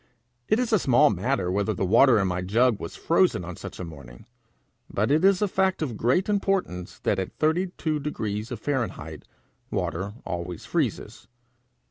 It is a small matter whether the water in my jug was frozen on such a morning; but it is a fact of great importance that at thirty two degrees of Fahrenheit water always freezes.